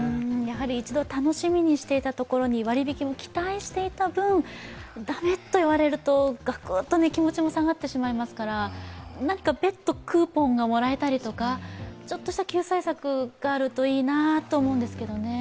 一度楽しみにしていたところに割り引きも期待していた分駄目といわれるとガクっと気持ちも下がってしまいますから別途クーポンがもらえたりとか、ちょっとした救済策があるといいなと思うんですけどね。